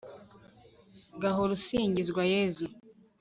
gahore usingizwa yezu